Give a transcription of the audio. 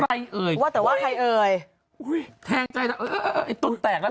ใครเอ๋ยว่าแต่ว่าใครเอ๋ยอุ้ยแทงใจดำเออเออไอ้ตุ๊ดแตกแล้ว